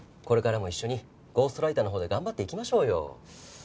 これからも一緒にゴーストライターのほうで頑張っていきましょうよ。